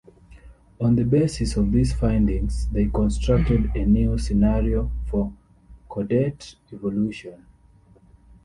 On the basis of these findings, they constructed a new scenario for chordate evolution.